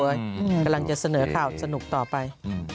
กำลังจะเสนอข่าวสนุกต่อไป